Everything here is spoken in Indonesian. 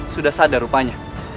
sudah sadar rupanya